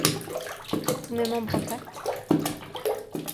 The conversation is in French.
J’ai tous mes membres intacts ?